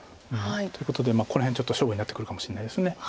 ということでこの辺ちょっと勝負になってくるかもしれないです。